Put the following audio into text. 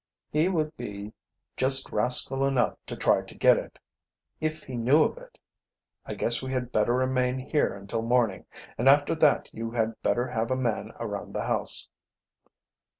"He would be just rascal enough to try to get it, if he knew of it. I guess we had better remain here until morning, and after that you had better have a man around the house."